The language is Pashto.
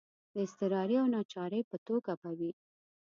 د اضطراري او ناچارۍ په توګه به وي.